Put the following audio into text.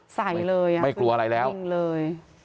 ใส่เลยอ่ะไม่กลัวอะไรแล้วยิงเลย